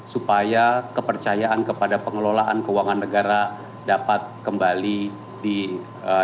supaya kepercayaan kepada pengelolaan keuangan negara dapat kembali dikembangkan